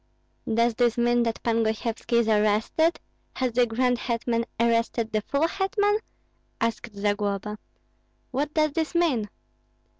"Does this mean that Pan Gosyevski is arrested? Has the grand hetman arrested the full hetman?" asked Zagloba; "what does this mean?"